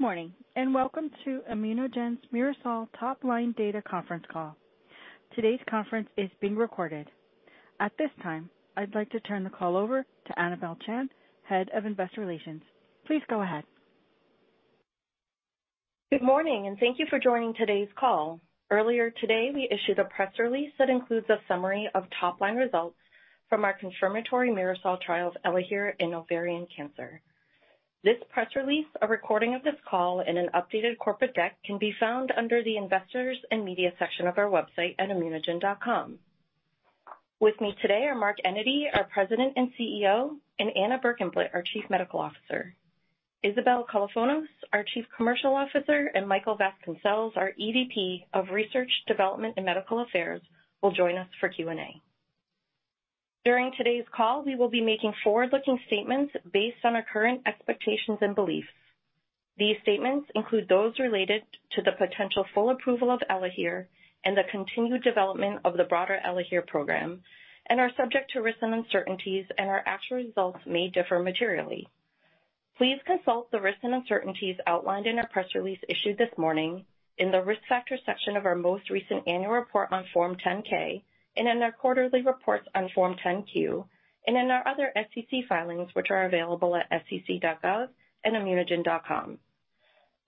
Good morning, welcome to ImmunoGen's MIRASOL Top Line Data Conference Call. Today's conference is being recorded. At this time, I'd like to turn the call over to Anabel Chan, Head of Investor Relations. Please go ahead. Good morning, and thank you for joining today's call. Earlier today, we issued a press release that includes a summary of top-line results from our confirmatory MIRASOL trials ELAHERE in ovarian cancer. This press release, a recording of this call in an updated corporate deck, can be found under the Investors and Media section of our website at immunogen.com. With me today are Mark Enyedy, our President and CEO, and Anna Berkenblit, our Chief Medical Officer. Isabel Kalofonos, our Chief Commercial Officer, and Michael Vasconcelles, our EVP of Research, Development, and Medical Affairs, will join us for Q&A. During today's call, we will be making forward-looking statements based on our current expectations and beliefs. These statements include those related to the potential full approval of ELAHERE and the continued development of the broader ELAHERE program and are subject to risks and uncertainties, and our actual results may differ materially. Please consult the risks and uncertainties outlined in our press release issued this morning in the Risk Factor section of our most recent annual report on Form 10-K and in our quarterly reports on Form 10-Q and in our other SEC filings, which are available at sec.gov and immunogen.com.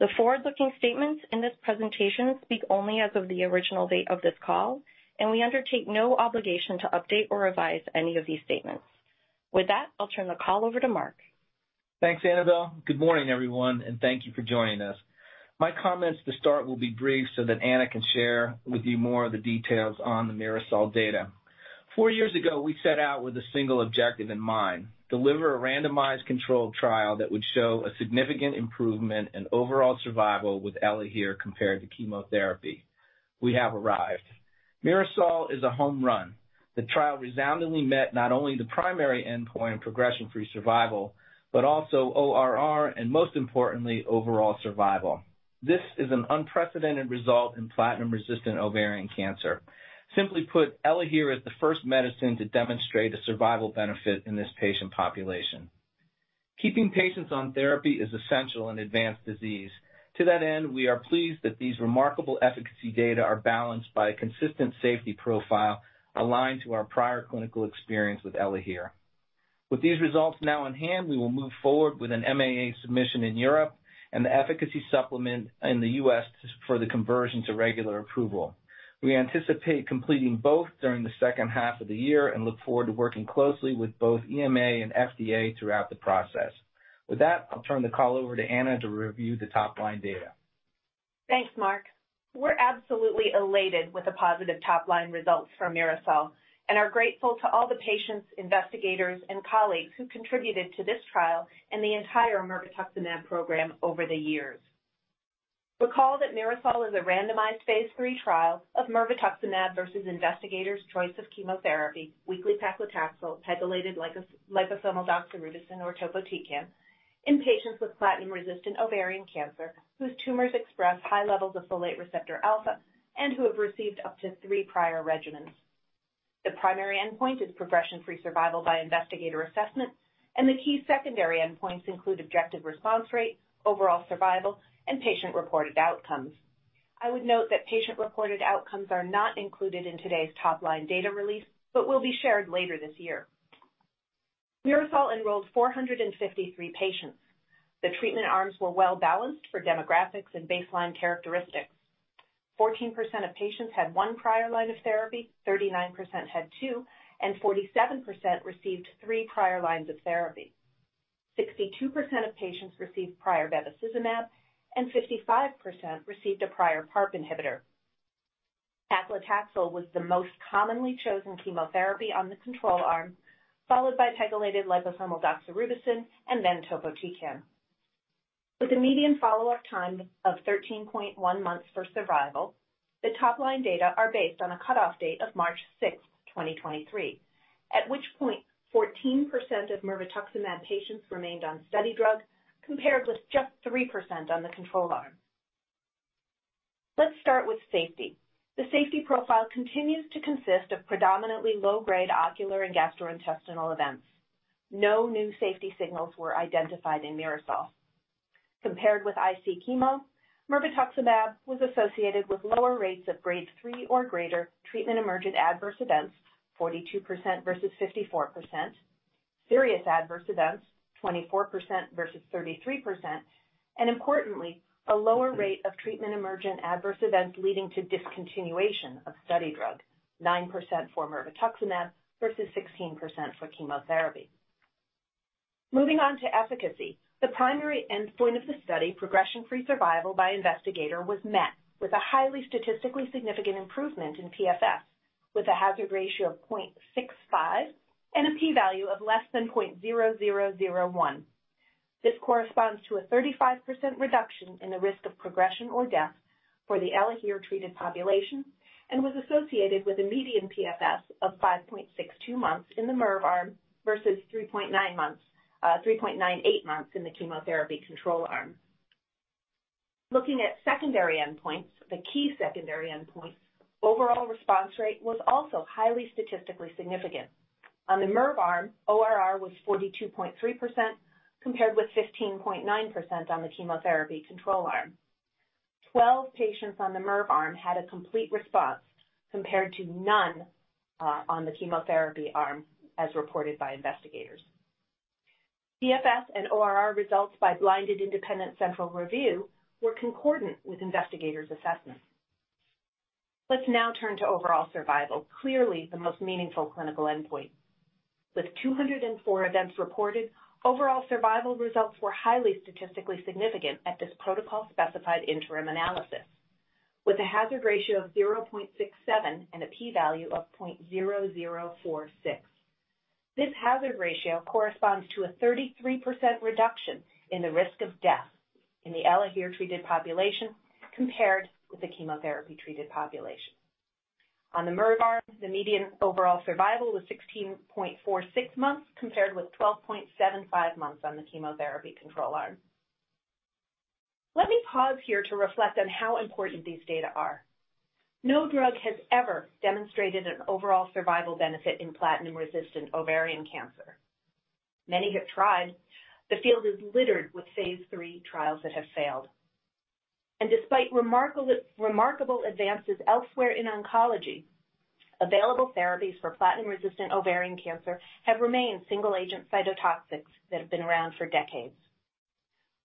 The forward-looking statements in this presentation speak only as of the original date of this call, and we undertake no obligation to update or revise any of these statements. With that, I'll turn the call over to Mark. Thanks, Annabelle. Good morning, everyone, thank you for joining us. My comments to start will be brief so that Anna can share with you more of the details on the MIRASOL data. Four years ago, we set out with a single objective in mind: deliver a randomized controlled trial that would show a significant improvement in overall survival with ELAHERE compared to chemotherapy. We have arrived. MIRASOL is a home run. The trial resoundingly met not only the primary endpoint progression-free survival but also ORR and, most importantly, overall survival. This is an unprecedented result in platinum-resistant ovarian cancer. Simply put, ELAHERE is the first medicine to demonstrate a survival benefit in this patient population. Keeping patients on therapy is essential in advanced disease. To that end, we are pleased that these remarkable efficacy data are balanced by a consistent safety profile aligned to our prior clinical experience with ELAHERE. With these results now in hand, we will move forward with an MAA submission in Europe and the efficacy supplement in the U.S. for the conversion to regular approval. We anticipate completing both during the second half of the year and look forward to working closely with both EMA and FDA throughout the process. With that, I'll turn the call over to Anna to review the top-line data. Thanks, Mark. We're absolutely elated with the positive top-line results from MIRASOL and are grateful to all the patients, investigators, and colleagues who contributed to this trial and the entire mirvetuximab program over the years. Recall that MIRASOL is a randomized Phase III trial of mirvetuximab versus investigator's choice of chemotherapy, weekly paclitaxel, pegylated liposomal doxorubicin or topotecan in patients with platinum-resistant ovarian cancer whose tumors express high levels of folate receptor alpha and who have received up to three prior regimens. The primary endpoint is progression-free survival by investigator assessment, and the key secondary endpoints include objective response rate, overall survival, and patient-reported outcomes. I would note that patient-reported outcomes are not included in today's top-line data release but will be shared later this year. MIRASOL enrolled 453 patients. The treatment arms were well-balanced for demographics and baseline characteristics. 14% of patients had 1 prior line of therapy, 39% had 2, and 47% received 3 prior lines of therapy. 62% of patients received prior bevacizumab, and 55% received a prior PARP inhibitor. Paclitaxel was the most commonly chosen chemotherapy on the control arm, followed by pegylated liposomal doxorubicin and then topotecan. With a median follow-up time of 13.1 months for survival, the top-line data are based on a cutoff date of March 6, 2023, at which point 14% of mirvetuximab patients remained on study drugs, compared with just 3% on the control arm. Let's start with safety. The safety profile continues to consist of predominantly low-grade ocular and gastrointestinal events. No new safety signals were identified in MIRASOL. Compared with IC chemo, mirvetuximab was associated with lower rates of Grade 3 or greater treatment-emergent adverse events, 42% versus 54%, serious adverse events, 24% versus 33%, and importantly, a lower rate of treatment-emergent adverse events leading to discontinuation of study drug, 9% for mirvetuximab versus 16% for chemotherapy. Moving on to efficacy. The primary endpoint of the study, progression-free survival by investigator, was met with a highly statistically significant improvement in PFS with a hazard ratio of 0.65 and a P value of less than 0.0001. This corresponds to a 35% reduction in the risk of progression or death for the ELAHERE-treated population and was associated with a median PFS of 5.62 months in the MIRV arm versus 3.9 months, 3.98 months in the chemotherapy control arm. Looking at secondary endpoints, the key secondary endpoint, overall response rate was also highly statistically significant. On the MIRV arm, ORR was 42.3% compared with 15.9% on the chemotherapy control arm. 12 patients on the MIRV arm had a complete response compared to none on the chemotherapy arm, as reported by investigators. DFS and ORR results by blinded independent central review were concordant with investigators' assessments. Let's now turn to overall survival, clearly the most meaningful clinical endpoint. With 204 events reported, overall survival results were highly statistically significant at this protocol-specified interim analysis with a hazard ratio of 0.67 and a P value of 0.0046. This hazard ratio corresponds to a 33% reduction in the risk of death in the ELAHERE treated population compared with the chemotherapy-treated population. On the MIRV arm, the median overall survival was 16.46 months compared with 12.75 months on the chemotherapy control arm. Let me pause here to reflect on how important these data are. No drug has ever demonstrated an overall survival benefit in platinum-resistant ovarian cancer. Many have tried. The field is littered with Phase III trials that have failed. Despite remarkable advances elsewhere in oncology, available therapies for platinum-resistant ovarian cancer have remained single-agent cytotoxics that have been around for decades.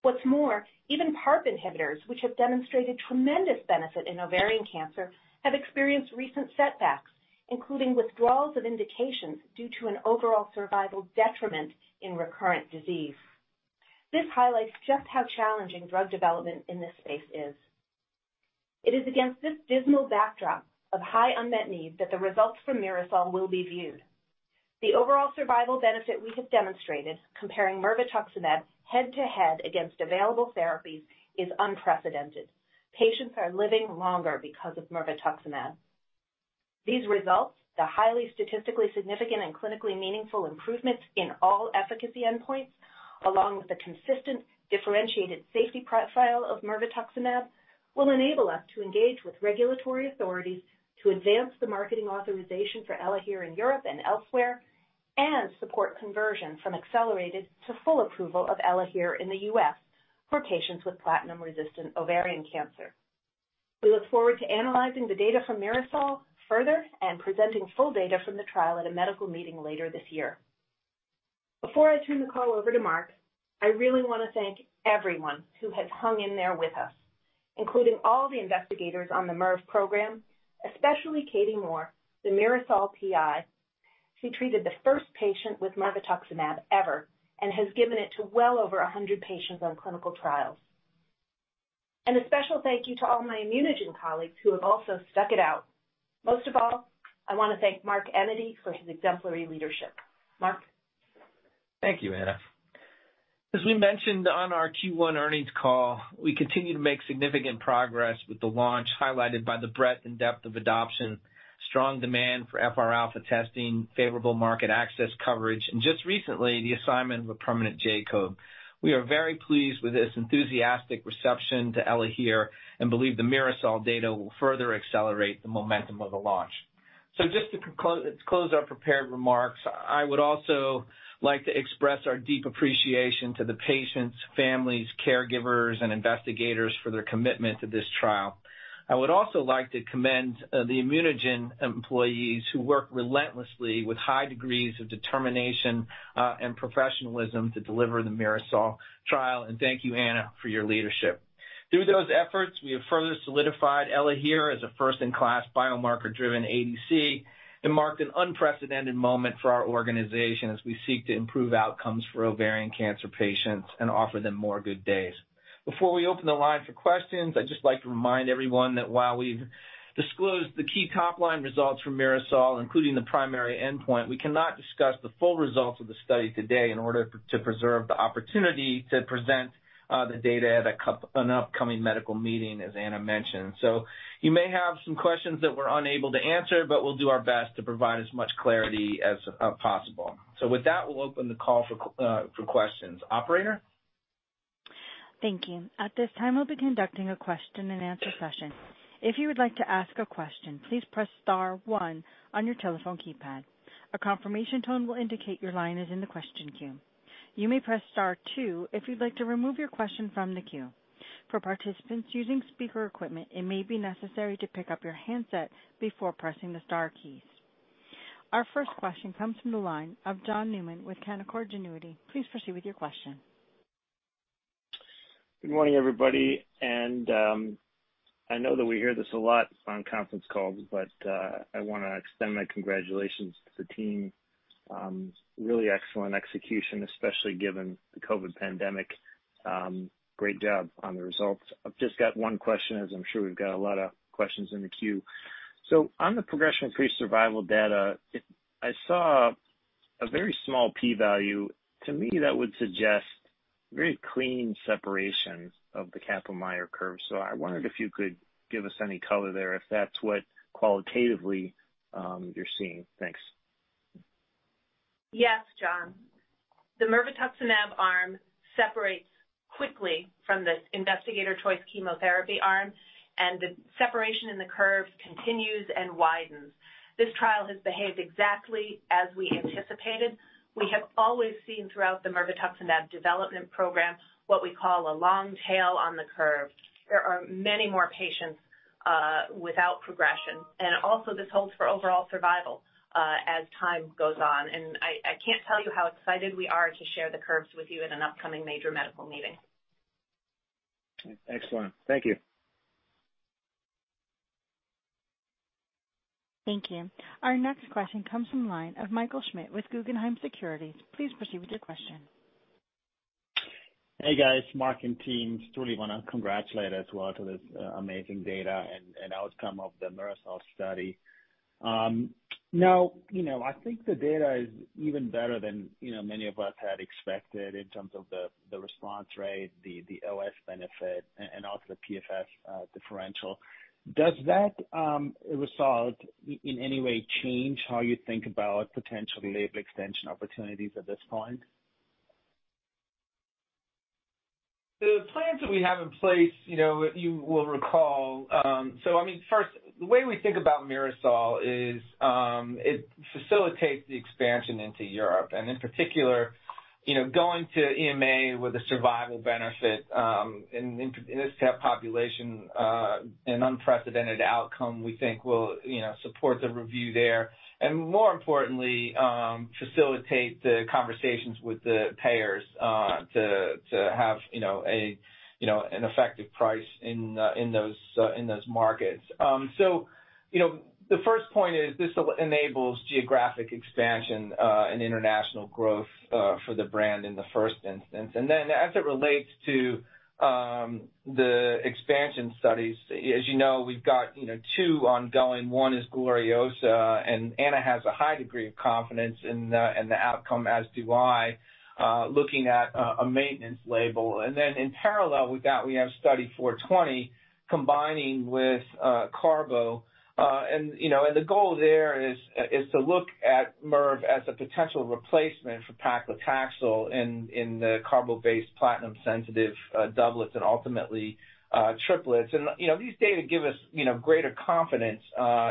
What's more, even PARP inhibitors, which have demonstrated tremendous benefit in ovarian cancer, have experienced recent setbacks, including withdrawals of indications due to an overall survival detriment in recurrent disease. This highlights just how challenging drug development in this space is. It is against this dismal backdrop of high unmet need that the results from MIRASOL will be viewed. The overall survival benefit we have demonstrated comparing mirvetuximab head to head against available therapies is unprecedented. Patients are living longer because of mirvetuximab. These results, the highly statistically significant and clinically meaningful improvements in all efficacy endpoints, along with the consistent differentiated safety profile of mirvetuximab, will enable us to engage with regulatory authorities to advance the marketing authorization for ELAHERE in Europe and elsewhere, and support conversion from accelerated to full approval of ELAHERE in the U.S. for patients with platinum-resistant ovarian cancer. We look forward to analyzing the data from MIRASOL further and presenting full data from the trial at a medical meeting later this year. Before I turn the call over to Mark, I really want to thank everyone who has hung in there with us, including all the investigators on the MIRV program, especially Katie Moore, the MIRASOL PI. She treated the first patient with mirvetuximab ever and has given it to well over 100 patients on clinical trials. A special thank you to all my ImmunoGen colleagues who have also stuck it out. Most of all, I want to thank Mark Enyedy for his exemplary leadership. Mark? Thank you, Anna. As we mentioned on our Q1 earnings call, we continue to make significant progress with the launch, highlighted by the breadth and depth of adoption, strong demand for FRα testing, favorable market access coverage, and just recently, the assignment of a permanent J-code. We are very pleased with this enthusiastic reception to ELAHERE and believe the MIRASOL data will further accelerate the momentum of the launch. Just to close our prepared remarks, I would also like to express our deep appreciation to the patients, families, caregivers, and investigators for their commitment to this trial. I would also like to commend the ImmunoGen employees who work relentlessly with high degrees of determination and professionalism to deliver the MIRASOL trial. Thank you, Anna, for your leadership. Through those efforts, we have further solidified ELAHERE as a first-in-class biomarker-driven ADC and marked an unprecedented moment for our organization as we seek to improve outcomes for ovarian cancer patients and offer them more good days. Before we open the line for questions, I'd just like to remind everyone that while we've disclosed the key top-line results from MIRASOL, including the primary endpoint, we cannot discuss the full results of the study today in order to preserve the opportunity to present the data at an upcoming medical meeting, as Anna Berkenblit mentioned. You may have some questions that we're unable to answer, but we'll do our best to provide as much clarity as possible. With that, we'll open the call for questions. Operator? Thank you. At this time, we'll be conducting a question-and-answer session. If you would like to ask a question, please press star one on your telephone keypad. A confirmation tone will indicate your line is in the question queue. You may press star two if you'd like to remove your question from the queue. For participants using speaker equipment, it may be necessary to pick up your handset before pressing the star keys. Our first question comes from the line of John Newman with Canaccord Genuity. Please proceed with your question. Good morning, everybody, and I know that we hear this a lot on conference calls, but I wanna extend my congratulations to the team. Really excellent execution, especially given the COVID pandemic. Great job on the results. I've just got one question, as I'm sure we've got a lot of questions in the queue. On the progression-free survival data, I saw a very small P value. To me, that would suggest very clean separation of the Kaplan-Meier curve. I wondered if you could give us any color there, if that's what qualitatively you're seeing. Thanks. Yes, John. The mirvetuximab arm separates quickly from this investigator's choice chemotherapy arm, and the separation in the curves continues and widens. This trial has behaved exactly as we anticipated. We have always seen throughout the mirvetuximab development program what we call a long tail on the curve. There are many more patients without progression, and also this holds for overall survival as time goes on. I can't tell you how excited we are to share the curves with you in an upcoming major medical meeting. Okay. Excellent. Thank you. Thank you. Our next question comes from line of Michael Schmidt with Guggenheim Securities. Please proceed with your question. Hey, guys, Mark and team. Truly want to congratulate as well to this amazing data and outcome of the MIRASOL study. Now, you know, I think the data is even better than, you know, many of us had expected in terms of the response rate, the OS benefit, and also the PFS differential. Does that result in any way change how you think about potential label extension opportunities at this point? The plans that we have in place, you know, you will recall. I mean, first, the way we think about MIRASOL is, it facilitates the expansion into Europe and in particular, you know, going to EMA with a survival benefit, in this type of population, an unprecedented outcome we think will, you know, support the review there and more importantly, facilitate the conversations with the payers, to have, you know, a, an effective price in those, in those markets. You know, the first point is this enables geographic expansion, and international growth, for the brand in the first instance. Then as it relates to, the expansion studies, as you know, we've got, you know, 2 ongoing. One is GLORIOSA, and Anna has a high degree of confidence in the outcome, as do I, looking at a maintenance label. Then in parallel, we have Study 420 combining with carbo. You know, the goal there is to look at mirve as a potential replacement for paclitaxel in the carbo-based platinum-sensitive doublets and ultimately, triplets. You know, these data give us, you know, greater confidence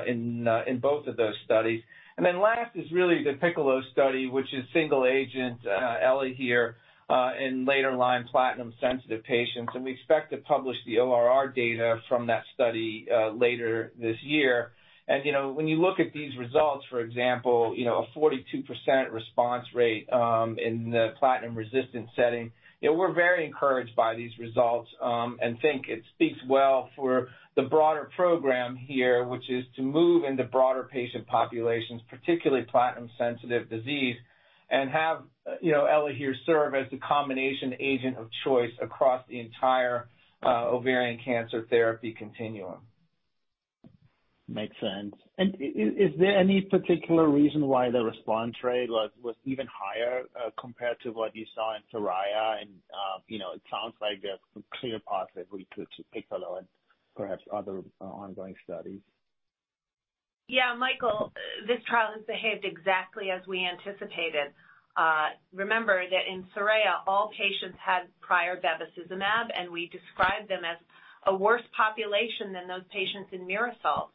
in both of those studies. Last is really the PICCOLO study, which is single agent, ELAHERE, in later line platinum-sensitive patients. We expect to publish the ORR data from that study later this year. You know, when you look at these results, for example, you know, a 42% response rate, in the platinum-resistant setting, you know, we're very encouraged by these results, and think it speaks well for the broader program here, which is to move into broader patient populations, particularly platinum-sensitive disease, and have, you know, ELAHERE serve as the combination agent of choice across the entire ovarian cancer therapy continuum. Makes sense. Is there any particular reason why the response rate was even higher compared to what you saw in SORAYA? you know, it sounds like there's some clear paths that we could take to Piccolo and perhaps other ongoing studies. Yeah, Michael, this trial has behaved exactly as we anticipated. Remember that in SORAYA, all patients had prior bevacizumab, and we described them as a worse population than those patients in MIRASOL.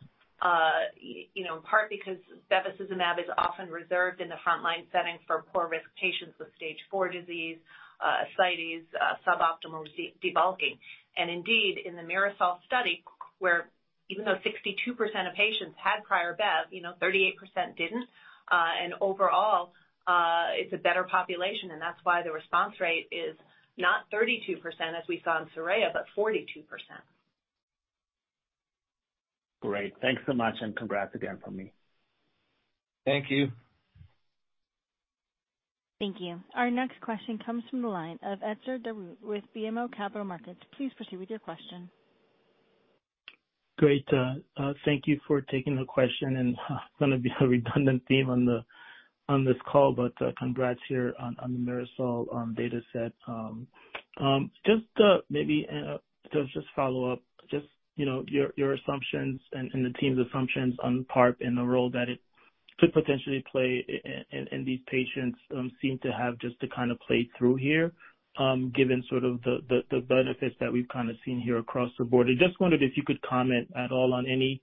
You know, in part because bevacizumab is often reserved in the frontline setting for poor-risk patients with stage 4 disease, ascites, suboptimal debulking. Indeed, in the MIRASOL study, where even though 62% of patients had prior bev, you know, 38% didn't. Overall, it's a better population, and that's why the response rate is not 32%, as we saw in SORAYA, but 42%. Great. Thanks so much, congrats again from me. Thank you. Thank you. Our next question comes from the line of Etzer Darout with BMO Capital Markets. Please proceed with your question. Great. Thank you for taking the question. It's gonna be a redundant theme on the, on this call, but congrats here on the MIRASOL data set. Just maybe to just follow up, just, you know, your assumptions and the team's assumptions on PARP and the role that it could potentially play in these patients seem to have just a kind of play through here, given sort of the benefits that we've kind of seen here across the board. I just wondered if you could comment at all on any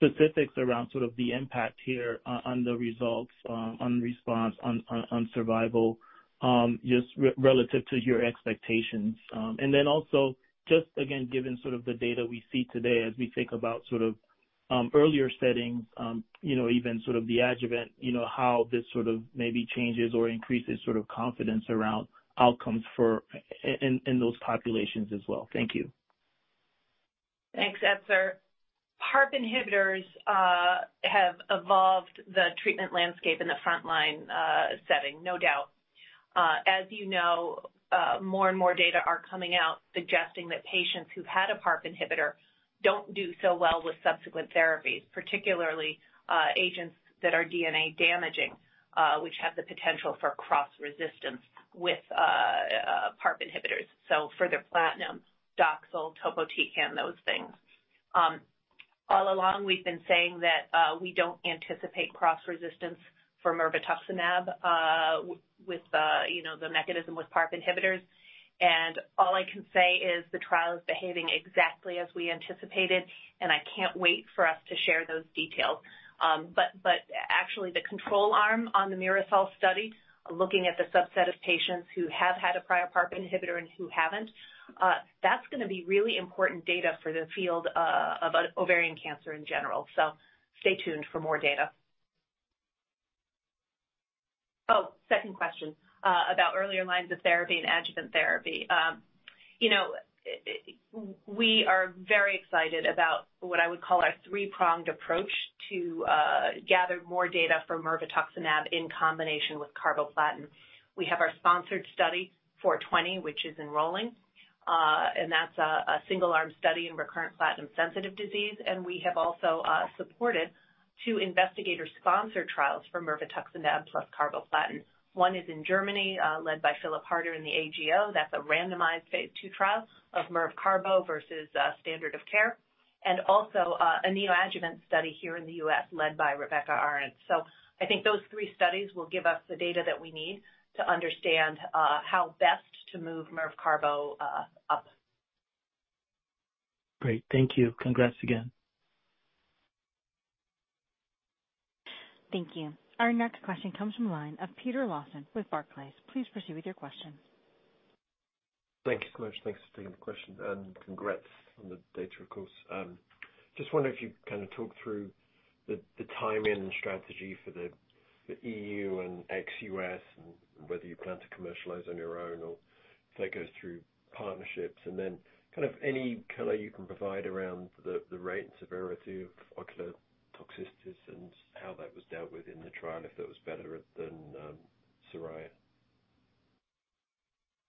specifics around sort of the impact here on the results, on response, on survival, just relative to your expectations. Also just again, given sort of the data we see today as we think about sort of, earlier settings, you know, even sort of the adjuvant, you know, how this sort of maybe changes or increases sort of confidence around outcomes for in those populations as well. Thank you. Thanks, Etzer. PARP inhibitors have evolved the treatment landscape in the frontline setting, no doubt. As you know, more and more data are coming out suggesting that patients who've had a PARP inhibitor don't do so well with subsequent therapies, particularly agents that are DNA damaging, which have the potential for cross resistance with PARP inhibitors. Further platinum, Doxil, topotecan, those things. All along, we've been saying that we don't anticipate cross resistance for mirvetuximab with the, you know, the mechanism with PARP inhibitors. All I can say is the trial is behaving exactly as we anticipated, and I can't wait for us to share those details. Actually the control arm on the MIRASOL study, looking at the subset of patients who have had a prior PARP inhibitor and who haven't, that's gonna be really important data for the field of ovarian cancer in general. Stay tuned for more data. Second question about earlier lines of therapy and adjuvant therapy. You know, we are very excited about what I would call our three-pronged approach to gather more data for mirvetuximab in combination with carboplatin. We have our sponsored study, Study 420, which is enrolling, and that's a single-arm study in recurrent platinum-sensitive disease. We have also supported two investigator-sponsored trials for mirvetuximab plus carboplatin. One is in Germany, led by Philipp Harter in the AGO. That's a randomized Phase II trial of mirve carbo versus standard of care. A neoadjuvant study here in the U.S. led by Rebecca Arent. I think those three studies will give us the data that we need to understand how best to move Mirve carbo up. Great. Thank you. Congrats again. Thank you. Our next question comes from the line of Peter Lawson with Barclays. Please proceed with your question. Thank you so much. Thanks for taking the question, and congrats on the data, of course. Just wonder if you can kind of talk through the timing and strategy for the EU and ex-US, and whether you plan to commercialize on your own or if that goes through partnerships, and then kind of any color you can provide around the rate and severity of ocular toxicities and how that was dealt with in the trial, if that was better at than SORAYA.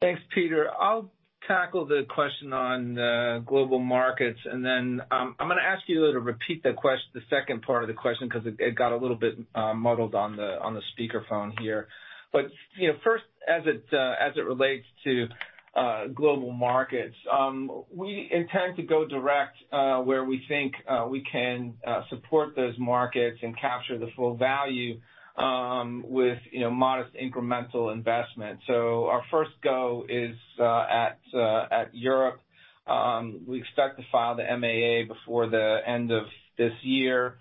Thanks, Peter. I'll tackle the question on global markets, and then, I'm gonna ask you though to repeat the second part of the question 'cause it got a little bit muddled on the speaker phone here. You know, first, as it relates to global markets, we intend to go direct where we think we can support those markets and capture the full value with, you know, modest incremental investment. Our first go is at Europe. We expect to file the MAA before the end of this year.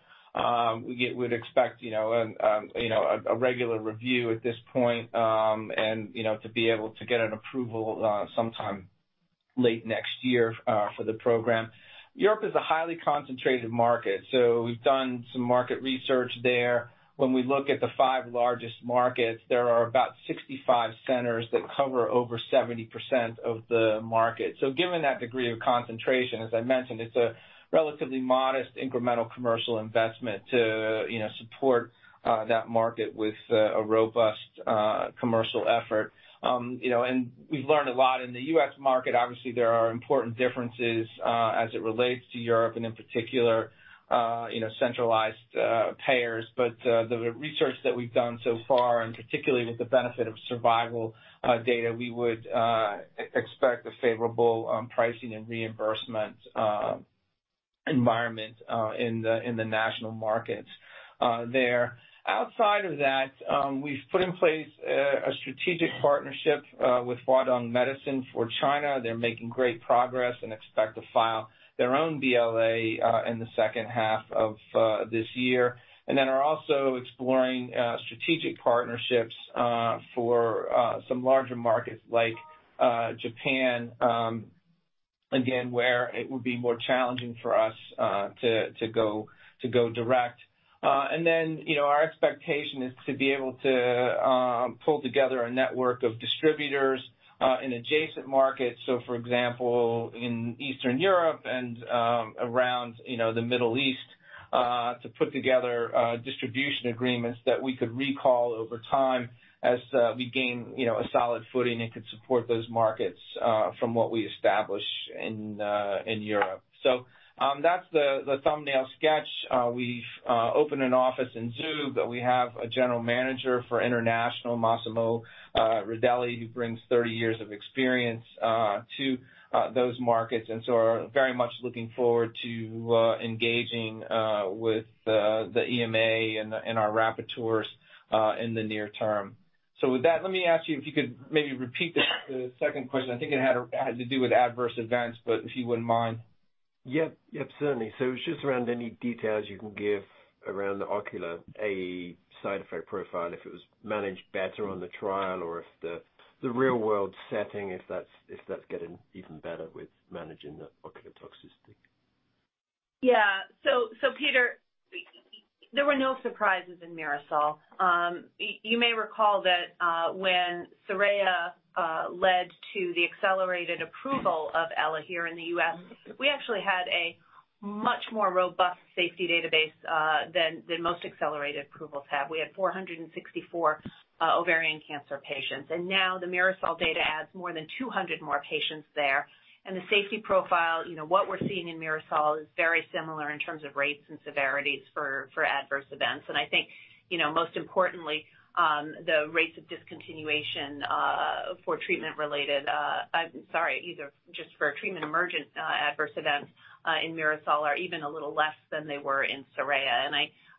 We'd expect, you know, a regular review at this point, and, you know, to be able to get an approval sometime late next year for the program. Europe is a highly concentrated market. We've done some market research there. When we look at the five largest markets, there are about 65 centers that cover over 70% of the market. Given that degree of concentration, as I mentioned, it's a relatively modest incremental commercial investment to, you know, support that market with a robust commercial effort. You know, we've learned a lot. In the US market, obviously, there are important differences as it relates to Europe and in particular, you know, centralized payers. The research that we've done so far, and particularly with the benefit of survival data, we would expect a favorable pricing and reimbursement environment in the national markets there. Outside of that, we've put in place a strategic partnership with Huadong Medicine for China. They're making great progress and expect to file their own BLA in the second half of this year. Are also exploring strategic partnerships for some larger markets like Japan, again, where it would be more challenging for us to go direct. Our expectation is to be able to pull together a network of distributors in adjacent markets, so for example, in Eastern Europe and around, you know, the Middle East, to put together distribution agreements that we could recall over time as we gain, you know, a solid footing and could support those markets from what we establish in Europe. That's the thumbnail sketch. We've opened an office in Zug. We have a general manager for international, Massimo Radaelli, who brings 30 years of experience to those markets, are very much looking forward to engaging with the EMA and the and our rapporteurs in the near term. With that, let me ask you if you could maybe repeat the second question. I think it had to do with adverse events, but if you wouldn't mind. Yep. Yep, certainly. It's just around any details you can give around the ocular AE side effect profile, if it was managed better on the trial or if the real world setting, if that's, if that's getting even better with managing the ocular toxicity? Peter, there were no surprises in MIRASOL. You may recall that when SORAYA led to the accelerated approval of ELAHERE in the U.S., we actually had a much more robust safety database than most accelerated approvals have. We had 464 ovarian cancer patients, and now the MIRASOL data adds more than 200 more patients there. The safety profile, you know, what we're seeing in MIRASOL is very similar in terms of rates and severities for adverse events. I think, you know, most importantly, the rates of discontinuation for treatment emergent adverse events in MIRASOL are even a little less than they were in SORAYA.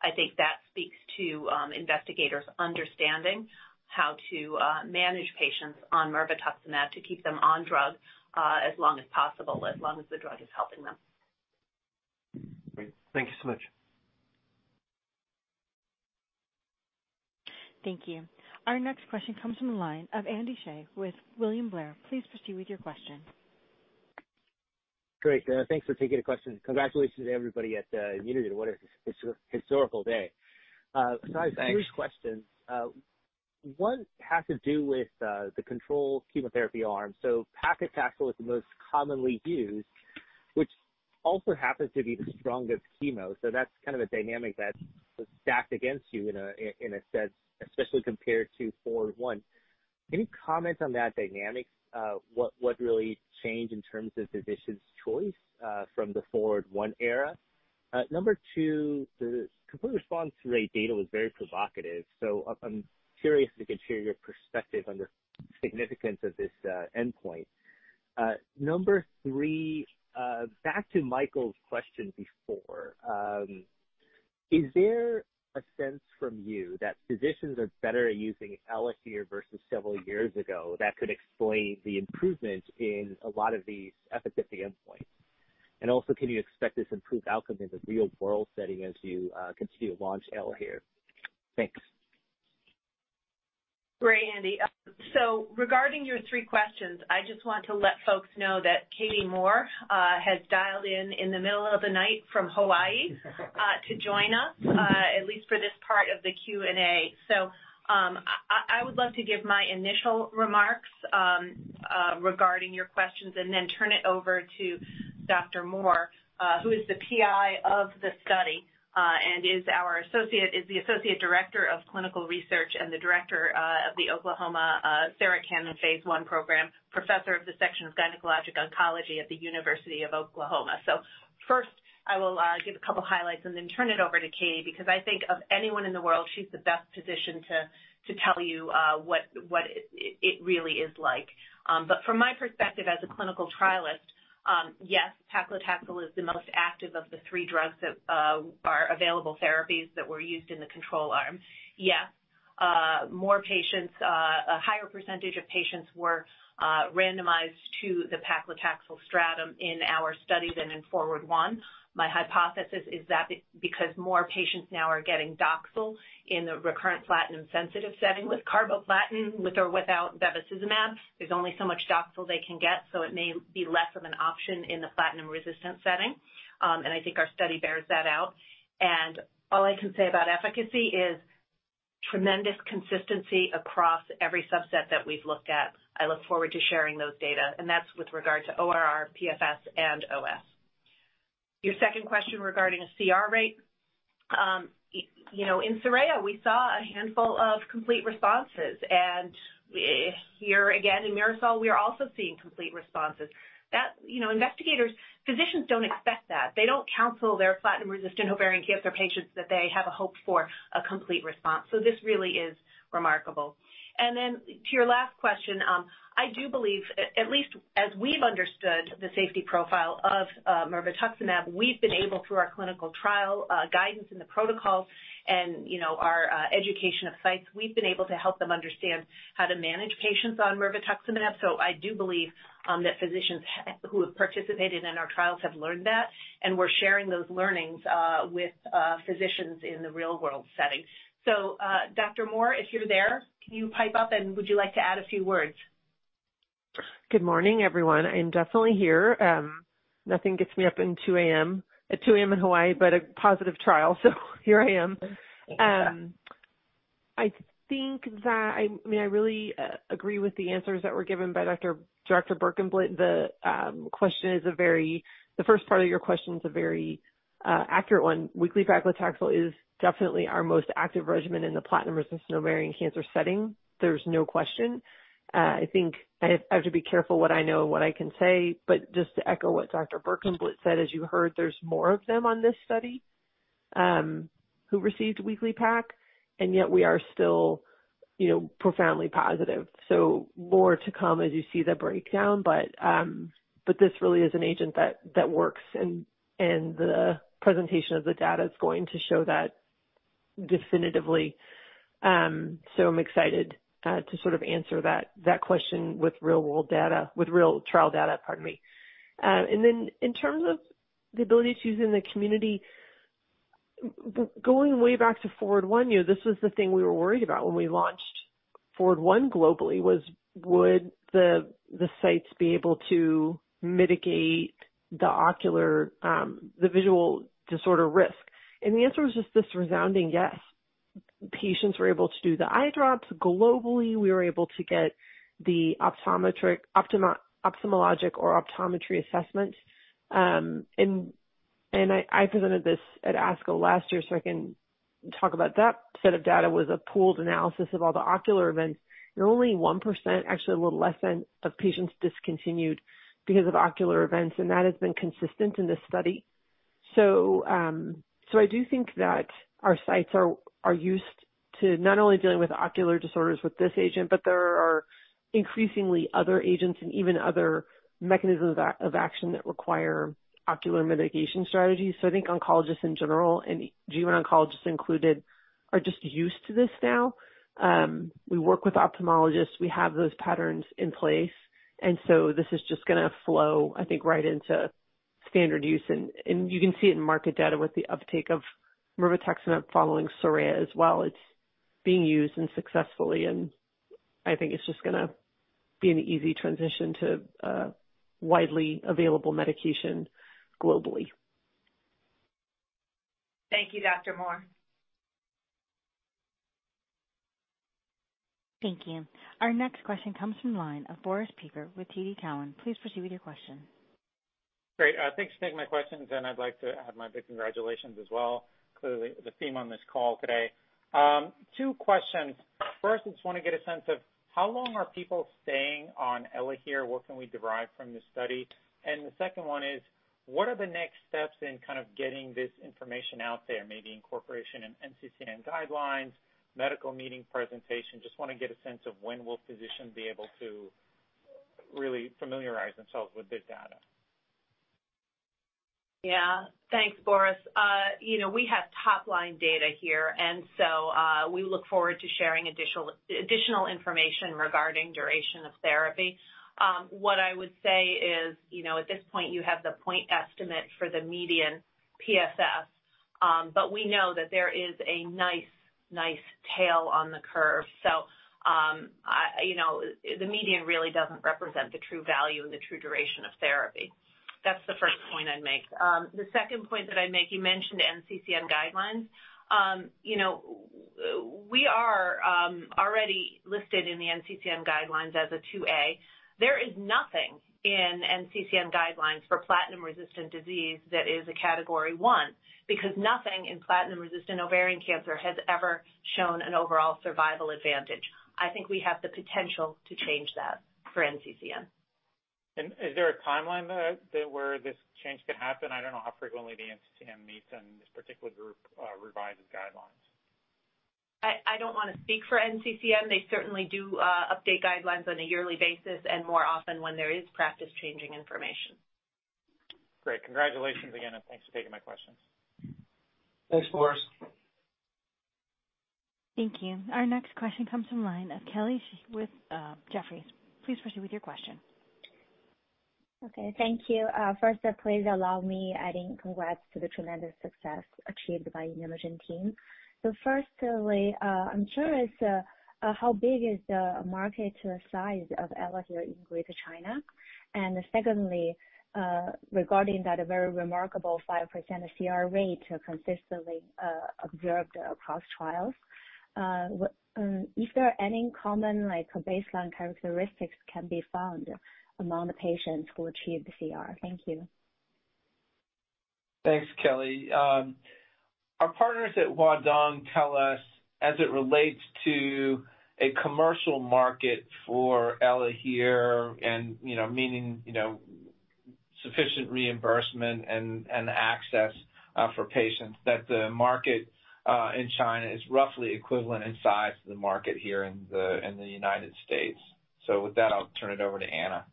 I think that speaks to investigators understanding how to manage patients on mirvetuximab to keep them on drug as long as possible, as long as the drug is helping them. Great. Thank you so much. Thank you. Our next question comes from the line of Andy Hsieh with William Blair. Please proceed with your question. Great. Thanks for taking the question. Congratulations to everybody at Unity. What a historical day. Thanks. I have 3 questions. One has to do with the control chemotherapy arm. Paclitaxel was the most commonly used, which also happens to be the strongest chemo. That's kind of a dynamic that's stacked against you in a sense, especially compared to FORWARD I. Can you comment on that dynamic? What really changed in terms of physicians' choice from the FORWARD I era? Number 2, the complete response rate data was very provocative. I'm curious if you could share your perspective on the significance of this endpoint. Number 3, back to Michael's question before. Is there a sense from you that physicians are better at using ELAHERE versus several years ago that could explain the improvement in a lot of these efficacy endpoints? Also, can you expect this improved outcome in the real world setting as you continue to launch ELAHERE? Thanks. Great, Andy. Regarding your three questions, I just want to let folks know that Katie Moore has dialed in in the middle of the night from Hawaii to join us at least for this part of the Q&A. I would love to give my initial remarks regarding your questions and then turn it over to Dr. Moore, who is the PI of the study and is the Associate Director of Clinical Research and the Director of the Oklahoma TSET/Sarah Cannon Phase I Program, Professor of the Section of Gynecologic Oncology at the University of Oklahoma. First, I will give a couple highlights and then turn it over to Katie, because I think of anyone in the world, she's the best positioned to tell you what it really is like. From my perspective, as a clinical trialist, yes, paclitaxel is the most active of the three drugs that are available therapies that were used in the control arm. Yes, more patients, a higher percentage of patients were randomized to the paclitaxel stratum in our study than in FORWARD I. My hypothesis is that because more patients now are getting Doxil in the recurrent platinum-sensitive setting with carboplatin, with or without bevacizumab. There's only so much Doxil they can get, it may be less of an option in the platinum-resistant setting. I think our study bears that out. All I can say about efficacy is tremendous consistency across every subset that we've looked at. I look forward to sharing those data, and that's with regard to ORR, PFS, and OS. Your second question regarding a CR rate. You know, in SORAYA, we saw a handful of complete responses. Here again in MIRASOL, we are also seeing complete responses. You know, investigators, physicians don't expect that. They don't counsel their platinum-resistant ovarian cancer patients that they have a hope for a complete response. This really is remarkable. To your last question, I do believe, at least as we've understood the safety profile of mirvetuximab, we've been able, through our clinical trial guidance in the protocol and, you know, our education of sites, we've been able to help them understand how to manage patients on mirvetuximab. I do believe that physicians who have participated in our trials have learned that, and we're sharing those learnings, with physicians in the real world setting. Dr. Moore, if you're there, can you pipe up and would you like to add a few words? Good morning, everyone. I am definitely here. Nothing gets me up in 2 A.M., at 2 A.M. in Hawaii, but a positive trial. Here I am. I really agree with the answers that were given by Dr. Berkenblit. The first part of your question is a very accurate one. Weekly Paclitaxel is definitely our most active regimen in the platinum-resistant ovarian cancer setting. There's no question. I think I have to be careful what I know and what I can say, but just to echo what Dr. Berkenblit said, as you heard, there's more of them on this study who received weekly Pac, and yet we are still, you know, profoundly positive. More to come as you see the breakdown, but this really is an agent that works, and the presentation of the data is going to show that definitively. I'm excited to sort of answer that question with real-world data. With real trial data, pardon me. In terms of the ability to use in the community, going way back to FORWARD I, you know, this was the thing we were worried about when we launched FORWARD I globally was: Would the sites be able to mitigate the ocular, the visual disorder risk? The answer was just this resounding yes. Patients were able to do the eye drops globally. We were able to get the optometric, ophthalmologic or optometry assessment. I presented this at ASCO last year, so I can talk about that set of data, was a pooled analysis of all the ocular events, and only 1%, actually a little less than, of patients discontinued because of ocular events. That has been consistent in this study. I do think that our sites are used to not only dealing with ocular disorders with this agent, but there are increasingly other agents and even other mechanisms of action that require ocular mitigation strategies. I think oncologists in general, and gyn oncologists included, are just used to this now. We work with ophthalmologists. We have those patterns in place. This is just gonna flow, I think, right into standard use and you can see it in market data with the uptake of mirvetuximab following SORAYA as well. It's being used and successfully, and I think it's just gonna be an easy transition to a widely available medication globally. Thank you, Dr. Moore. Thank you. Our next question comes from line of Boris Peaker with TD Cowen. Please proceed with your question. Great. Thanks for taking my questions, and I'd like to add my big congratulations as well. Clearly the theme on this call today. Two questions. First, just wanna get a sense of how long are people staying on ELAHERE, what can we derive from this study? The second one is what are the next steps in kind of getting this information out there, maybe incorporation in NCCN guidelines, medical meeting presentation? Just wanna get a sense of when will physicians be able to really familiarize themselves with this data. Yeah. Thanks, Boris. You know, we have top line data here. We look forward to sharing additional information regarding duration of therapy. What I would say is, you know, at this point you have the point estimate for the median PFS. We know that there is a nice tail on the curve. I, you know, the median really doesn't represent the true value and the true duration of therapy. That's the first point I'd make. The second point that I'd make, you mentioned NCCN guidelines. You know, we are already listed in the NCCN guidelines as a 2A. There is nothing in NCCN guidelines for platinum-resistant disease that is a category one, because nothing in platinum-resistant ovarian cancer has ever shown an overall survival advantage. I think we have the potential to change that for NCCN. Is there a timeline that where this change could happen? I don't know how frequently the NCCN meets and this particular group revises guidelines. I don't wanna speak for NCCN. They certainly do update guidelines on a yearly basis and more often when there is practice-changing information. Great. Congratulations again, and thanks for taking my questions. Thanks, Boris. Thank you. Our next question comes from line of Kelly with Jefferies. Please proceed with your question. Okay, thank you. First please allow me adding congrats to the tremendous success achieved by the ImmunoGen team. Firstly, I'm curious, how big is the market size of ELAHERE in Greater China? Secondly, regarding that very remarkable 5% CR rate consistently observed across trials, what is there any common like baseline characteristics can be found among the patients who achieve the CR? Thank you. Thanks, Kelly. Our partners at Huadong Medicine tell us as it relates to a commercial market for ELAHERE and, you know, meaning, you know, sufficient reimbursement and access for patients that the market in China is roughly equivalent in size to the market here in the United States. With that, I'll turn it over to Anna.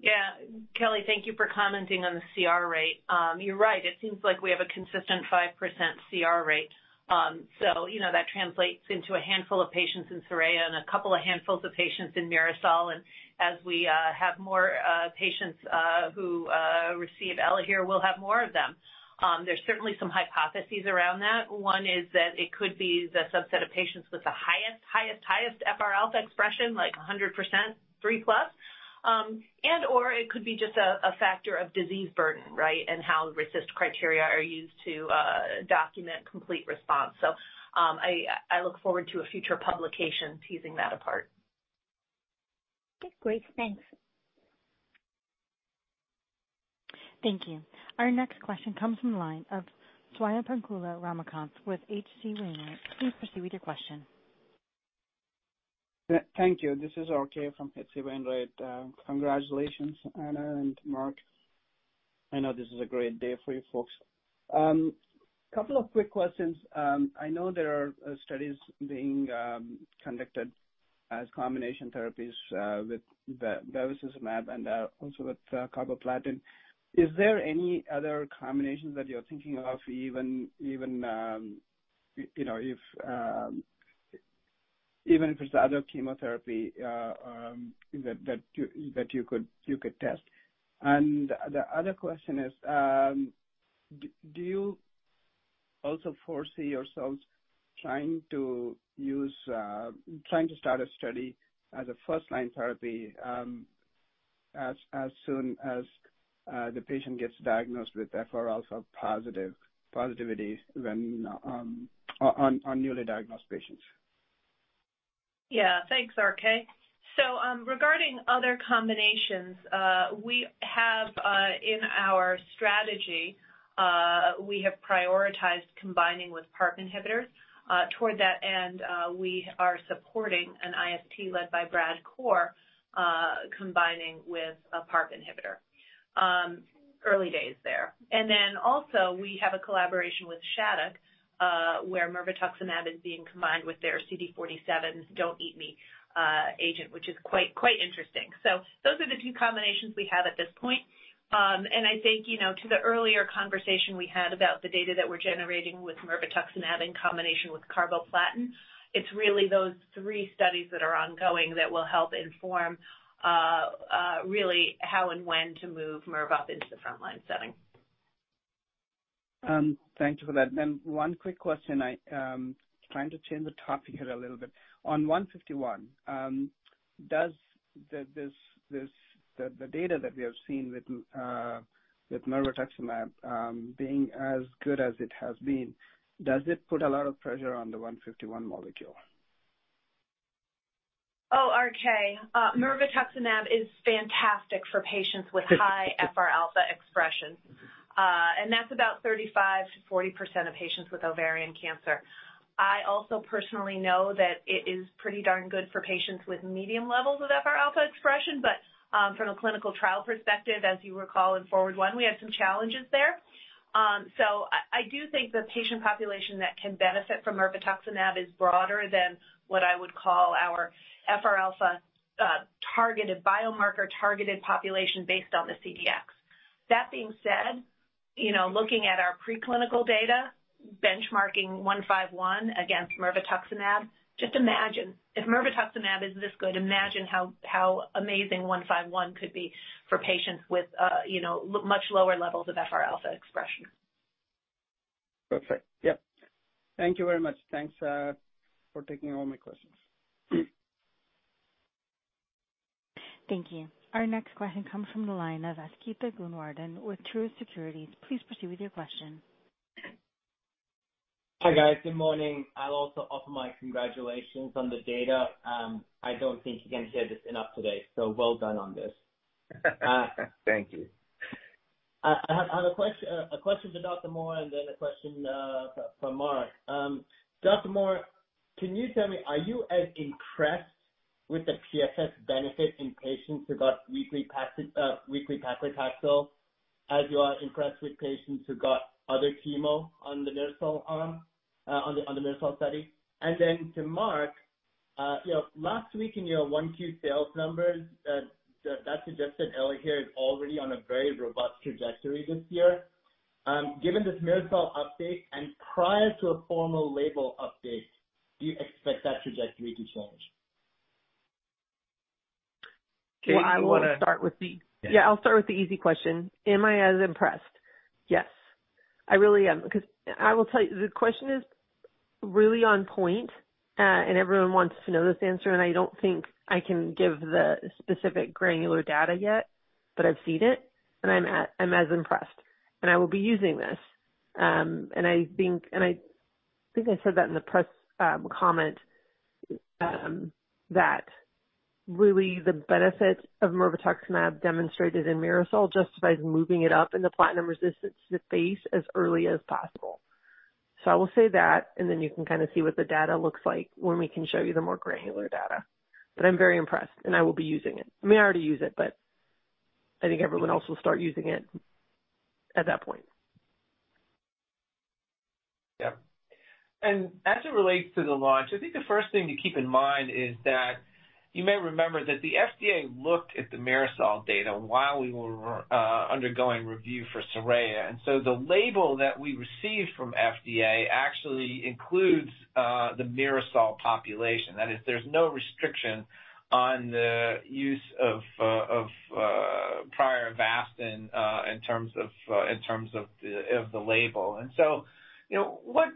Yeah. Kelly, thank you for commenting on the CR rate. You're right, it seems like we have a consistent 5% CR rate. You know, that translates into a handful of patients in SORAYA and a couple of handfuls of patients in MIRASOL. As we have more patients who receive ELAHERE, we'll have more of them. There's certainly some hypotheses around that. One is that it could be the subset of patients with the highest FRα expression, like 100%, 3+. Or it could be just a factor of disease burden, right? How RECIST criteria are used to document complete response. I look forward to a future publication teasing that apart. Okay, great. Thanks. Thank you. Our next question comes from the line of Swayampakula Ramakanth with H.C. Wainwright. Please proceed with your question. Thank you. This is R.K. from H.C. Wainwright. Congratulations, Anna and Mark. I know this is a great day for you folks. Couple of quick questions. I know there are studies being conducted as combination therapies with bevacizumab and also with carboplatin. Is there any other combinations that you're thinking of even, you know, if even if it's other chemotherapy that you could test? The other question is, do you also foresee yourselves trying to use trying to start a study as a first-line therapy as soon as the patient gets diagnosed with FRα positive, positivity when on newly diagnosed patients? Thanks, RK. Regarding other combinations, we have in our strategy, we have prioritized combining with PARP inhibitors. Toward that end, we are supporting an IST led by Bradley Corr, combining with a PARP inhibitor. Early days there. Also we have a collaboration with Shattuck, where mirvetuximab is being combined with their CD47 Don't Eat Me agent, which is quite interesting. Those are the two combinations we have at this point. I think, you know, to the earlier conversation we had about the data that we're generating with mirvetuximab in combination with carboplatin, it's really those three studies that are ongoing that will help inform really how and when to move mirve up into the frontline setting. Thank you for that. One quick question. I, trying to change the topic here a little bit. On 151, does the data that we have seen with mirvetuximab, being as good as it has been, does it put a lot of pressure on the 151 molecule? RK, mirvetuximab is fantastic for patients with high FRα expression. That's about 35%-40% of patients with ovarian cancer. I also personally know that it is pretty darn good for patients with medium levels of FRα expression, from a clinical trial perspective, as you recall, in FORWARD I, we had some challenges there. I do think the patient population that can benefit from mirvetuximab is broader than what I would call our FRα targeted biomarker, targeted population based on the CDx. That being said, you know, looking at our preclinical data, benchmarking IMGN151 against mirvetuximab, just imagine if mirvetuximab is this good, imagine how amazing IMGN151 could be for patients with, you know, much lower levels of FRα expression. Perfect. Yep. Thank you very much. Thanks for taking all my questions. Thank you. Our next question comes from the line of Asthika Goonewardene with Truist Securities. Please proceed with your question. Hi, guys. Good morning. I'll also offer my congratulations on the data. I don't think you can hear this enough today, well done on this. Thank you. I have a question for Dr. Moore and then a question for Mark. Dr. Moore, can you tell me, are you as impressed with the PFS benefit in patients who got weekly paclitaxel as you are impressed with patients who got other chemo on the MIRASOL arm, on the MIRASOL study? To Mark, you know, last week in your one two sales numbers that suggested ELAHERE is already on a very robust trajectory this year. Given this MIRASOL update and prior to a formal label update, do you expect that trajectory to change? I will start with the. Yeah, I'll start with the easy question. Am I as impressed? Yes, I really am, because I will tell you, the question is really on point, and everyone wants to know this answer, and I don't think I can give the specific granular data yet, but I've seen it, and I'm as impressed. I will be using this. I think I said that in the press comment that really the benefit of mirvetuximab demonstrated in MIRASOL justifies moving it up in the platinum resistance phase as early as possible. I will say that, you can kind of see what the data looks like when we can show you the more granular data. I'm very impressed, and I will be using it. I mean, I already use it, but I think everyone else will start using it at that point. Yeah. As it relates to the launch, I think the first thing to keep in mind is that you may remember that the FDA looked at the MIRASOL data while we were undergoing review for SORAYA. The label that we received from FDA actually includes the MIRASOL population. That is, there's no restriction on the use of prior Avastin in terms of the of the label. What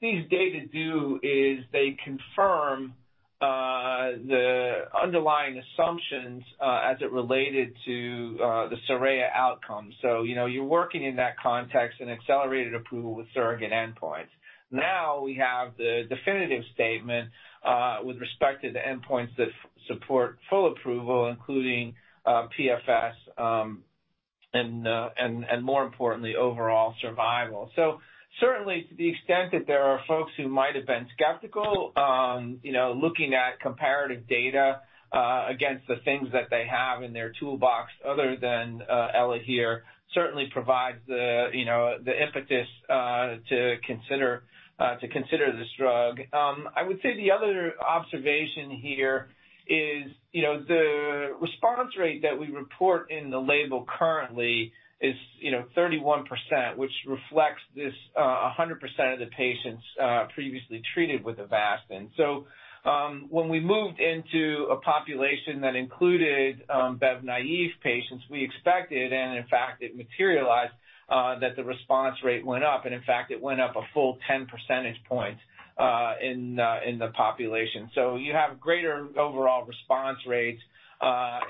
these data do is they confirm the underlying assumptions as it related to the SORAYA outcome. You're working in that context, an accelerated approval with surrogate endpoints. Now we have the definitive statement with respect to the endpoints that support full approval, including PFS and more importantly, overall survival. certainly to the extent that there are folks who might have been skeptical, you know, looking at comparative data, against the things that they have in their toolbox other than, ELAHERE certainly provides the, you know, the impetus, to consider, to consider this drug. I would say the other observation here is, you know, the response rate that we report in the label currently is, you know, 31%, which reflects this, 100% of the patients, previously treated with Avastin. When we moved into a population that included, Bev naive patients, we expected, and in fact it materialized, that the response rate went up, and in fact it went up a full 10 percentage points, in the population. You have greater overall response rates,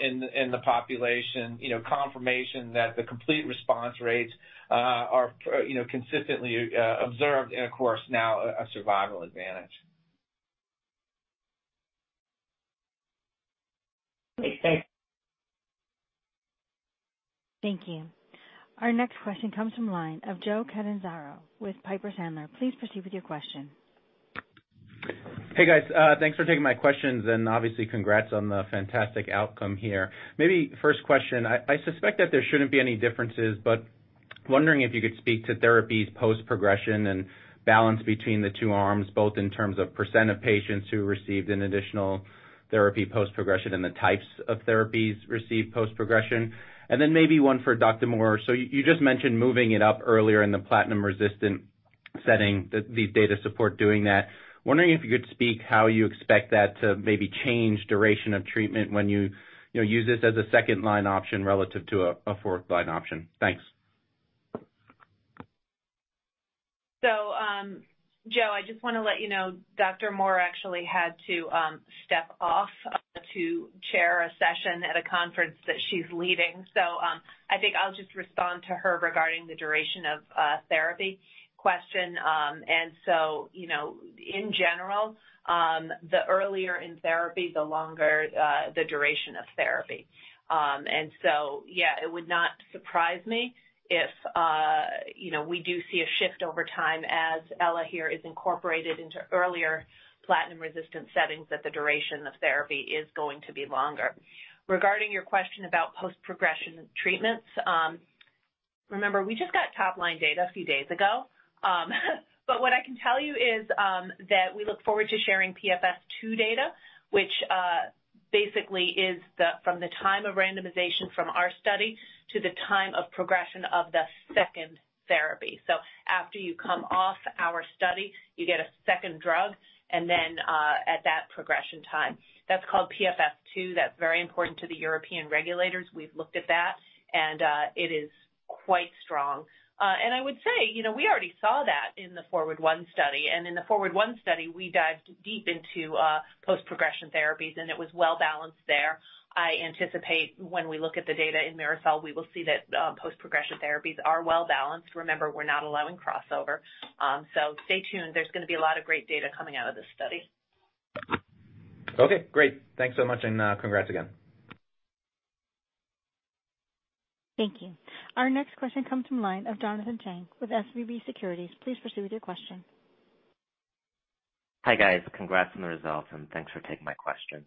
in the population, you know, confirmation that the complete response rates, are you know, consistently, observed and of course now a survival advantage. Great. Thanks. Thank you. Our next question comes from line of Joe Catanzaro with Piper Sandler. Please proceed with your question. Hey, guys. Thanks for taking my questions. Obviously congrats on the fantastic outcome here. Maybe first question, I suspect that there shouldn't be any differences. Wondering if you could speak to therapy's post progression and balance between the two arms, both in terms of percent of patients who received an additional therapy post progression and the types of therapies received post progression. Maybe one for Dr. Moore. You just mentioned moving it up earlier in the platinum-resistant setting, that these data support doing that. Wondering if you could speak how you expect that to maybe change duration of treatment when you know, use this as a second-line option relative to a fourth line option. Thanks. Joe, I just wanna let you know Dr. Moore actually had to step off to chair a session at a conference that she's leading. I think I'll just respond to her regarding the duration of therapy question. You know, in general, the earlier in therapy, the longer the duration of therapy. Yeah, it would not surprise me if, you know, we do see a shift over time as ELAHERE is incorporated into earlier platinum-resistant settings, that the duration of therapy is going to be longer. Regarding your question about post-progression treatments, remember we just got top-line data a few days ago. What I can tell you is that we look forward to sharing PFS2 data, which basically is the, from the time of randomization from our study to the time of progression of the second therapy. After you come off our study, you get a second drug, and then at that progression time. That's called PFS2. That's very important to the European regulators. We've looked at that, it is quite strong. I would say, you know, we already saw that in the FORWARD I study, and in the FORWARD I study, we dived deep into post-progression therapies, and it was well-balanced there. I anticipate when we look at the data in MIRASOL, we will see that post-progression therapies are well-balanced. Remember, we're not allowing crossover. Stay tuned. There's gonna be a lot of great data coming out of this study. Okay, great. Thanks so much, and, congrats again. Thank you. Our next question comes from line of Jonathan Chang with SVB Securities. Please proceed with your question. Hi, guys. Congrats on the results, and thanks for taking my questions.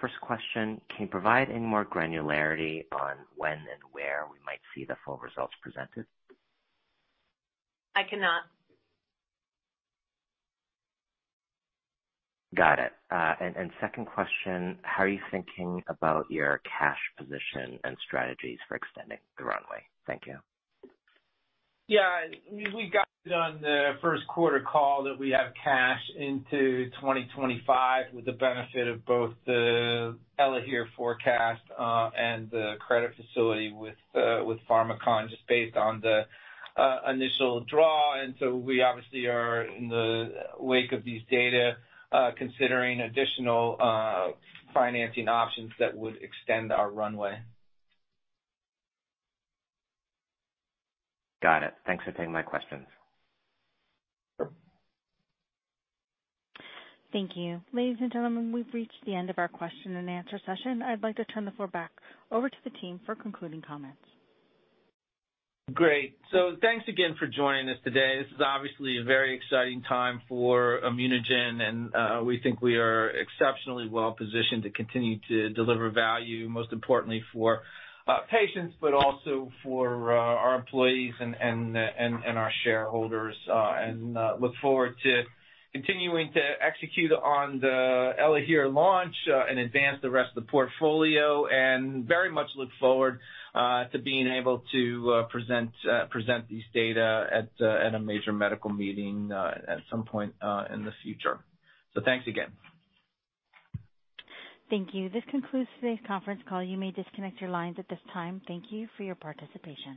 First question. Can you provide any more granularity on when and where we might see the full results presented? I cannot. Got it. Second question. How are you thinking about your cash position and strategies for extending the runway? Thank you. Yeah, we got it on the Q1 call that we have cash into 2025 with the benefit of both the ELAHERE forecast, and the credit facility with Pharmakon, just based on the initial draw. We obviously are in the wake of these data, considering additional financing options that would extend our runway. Got it. Thanks for taking my questions. Thank you. Ladies and gentlemen, we've reached the end of our question-and-answer session. I'd like to turn the floor back over to the team for concluding comments. Great. Thanks again for joining us today. This is obviously a very exciting time for ImmunoGen, and we think we are exceptionally well-positioned to continue to deliver value, most importantly for patients, but also for our employees and our shareholders. And look forward to continuing to execute on the ELAHERE launch, and advance the rest of the portfolio, and very much look forward to being able to present these data at a major medical meeting at some point in the future. Thanks again. Thank you. This concludes today's conference call. You may disconnect your lines at this time. Thank you for your participation.